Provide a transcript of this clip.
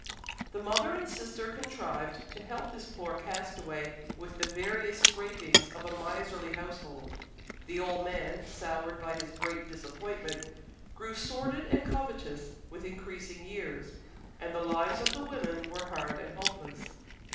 The mother and sister contrived to help this poor castaway with the veriest scrapings of a miserly household. The old man, soured by his great disappointment, grew sordid and covetous with increasing years, and the lives of the women were hard and hopeless.